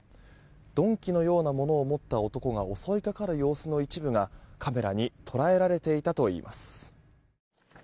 鈍器のようなものを持った男が襲いかかる様子の一部がカメラに捉えられていたといいます。